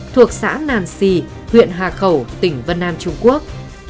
thuộc xã nàn xì huyện hà khẩu tỉnh văn an trung quốc